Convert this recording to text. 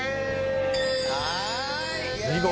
見事。